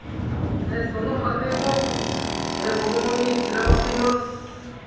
その破片も歩道に散らばっています。